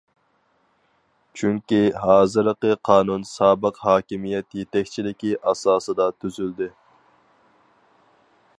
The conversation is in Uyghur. چۈنكى ھازىرقى قانۇن سابىق ھاكىمىيەت يېتەكچىلىكى ئاساسىدا تۈزۈلدى.